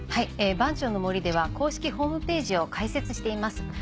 番町の森では公式ホームページを開設しています。